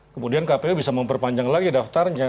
kemudian kpu bisa memperpanjang lagi daftarnya